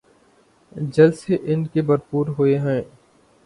جلسے ان کے بھرپور ہوئے ہیں۔